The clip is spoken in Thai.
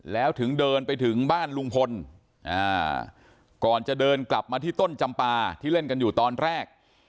แล้วถึงเดินไปถึงบ้านลุงพลก่อนจะเดินกลับมาที่ต้นจำปาที่เล่นกันอยู่ตอนแรก